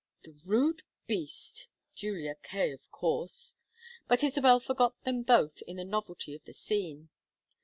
"The rude beast! Julia Kaye, of course." But Isabel forgot them both in the novelty of the scene.